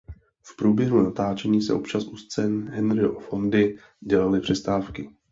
V průběhu natáčení se občas u scén Henryho Fondy dělaly přestávky.